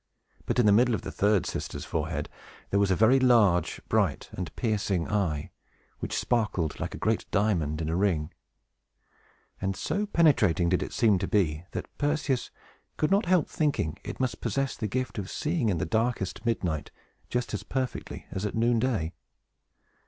But, in the middle of the third sister's forehead, there was a very large, bright, and piercing eye, which sparkled like a great diamond in a ring; and so penetrating did it seem to be, that Perseus could not help thinking it must possess the gift of seeing in the darkest midnight just as perfectly as at noonday.